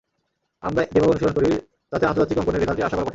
আমরা যেভাবে অনুশীলন করি, তাতে আন্তর্জাতিক অঙ্গনে রেজাল্টের আশা করা কঠিন।